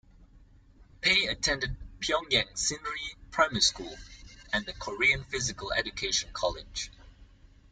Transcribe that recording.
Pae attended Pyongyang Sinri Primary School and the Korean Physical Education College.